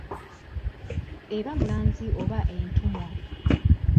Eba mulanzi oba entumwa.